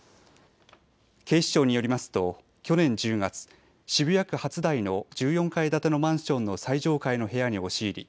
警視庁によりますと去年１０月、渋谷区初台の１４階建てのマンションの最上階の部屋に押し入り